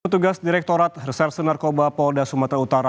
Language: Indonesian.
petugas direktorat reserse narkoba polda sumatera utara